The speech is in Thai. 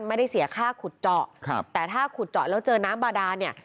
ไม่ได้เสียค่าขุดเจาะครับแต่ถ้าขุดเจาะแล้วเจอน้ำบาดาเนี่ย